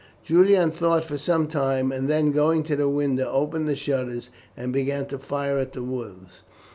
Julian thought for some time, and, then going to the window, opened the shutters and began to fire at the wolves.